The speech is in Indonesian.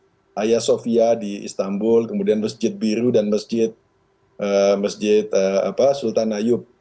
misalnya di masjid sofia di istanbul kemudian masjid biru dan masjid sultan ayub